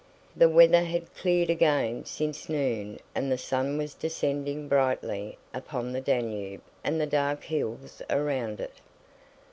The weather had cleared again since noon and the sun was descending brightly upon the Danube and the dark hills around it.